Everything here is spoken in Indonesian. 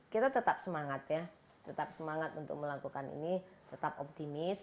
kita tetap semangat ya tetap semangat untuk melakukan ini tetap optimis